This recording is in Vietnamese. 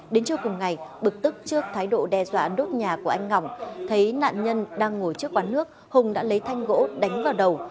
đến trưa cùng ngày bực tức trước thái độ đe dọa đốt nhà của anh ngọc thấy nạn nhân đang ngồi trước quán nước hùng đã lấy thanh gỗ đánh vào đầu